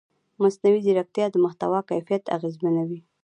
مصنوعي ځیرکتیا د محتوا کیفیت اغېزمنوي.